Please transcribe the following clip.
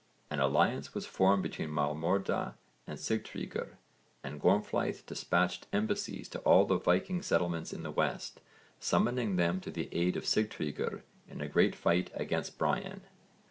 An alliance was formed between Maelmordha and Sigtryggr, and Gormflaith dispatched embassies to all the Viking settlements in the West, summoning them to the aid of Sigtryggr in a great fight against Brian.